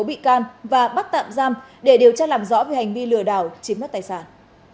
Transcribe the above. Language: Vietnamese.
bị can và bắt tạm giam để điều tra làm rõ về hành vi lừa đảo chiếm đất tài sản